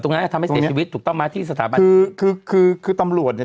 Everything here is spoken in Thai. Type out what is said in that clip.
งั้นทำให้เสียชีวิตถูกต้องไหมที่สถาบันคือคือคือตำรวจเนี้ย